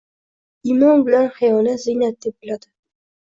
imon bilan hayoni ziynat deb biladi.